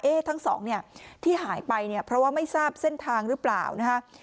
ทั้งสองเนี่ยที่หายไปเนี่ยเพราะว่าไม่ทราบเส้นทางหรือเปล่านะฮะ